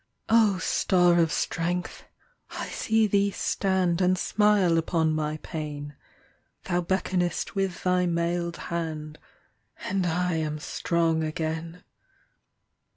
O star of strength! I see thee stand And smile upon my pain; Thou beckonest with thy mailed hand, And I am strong again.